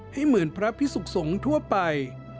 ให้เหมือนพระพิสุขสงฆ์ทั่วไป